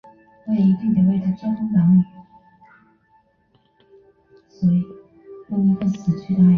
以在代数几何和紧复解析曲面理论方面的出色工作而著名。